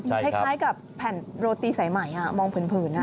ใช่ครับคล้ายกับแผ่นโรตีสายใหม่มองผื่นอ่ะ